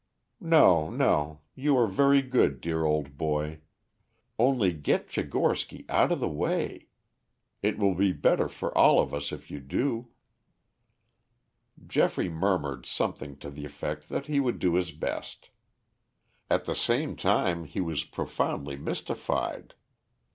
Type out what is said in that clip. "No, no. You are very good, dear old boy. Only get Tchigorsky out of the way. It will be better for us all if you do." Geoffrey murmured something to the effect that he would do his best. At the same time, he was profoundly mystified.